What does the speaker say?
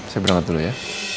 saya berangkat dulu ya